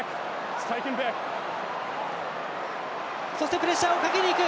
プレッシャーをかけにいく！